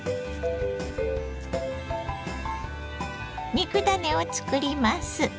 肉ダネを作ります。